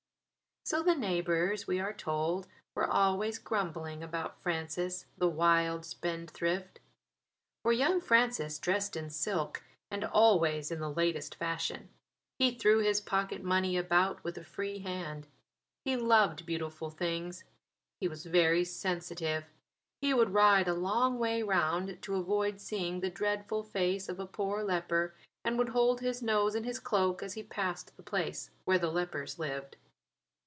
So the neighbours, we are told, were always grumbling about Francis, the wild spendthrift. For young Francis dressed in silk and always in the latest fashion; he threw his pocket money about with a free hand. He loved beautiful things. He was very sensitive. He would ride a long way round to avoid seeing the dreadful face of a poor leper, and would hold his nose in his cloak as he passed the place where the lepers lived.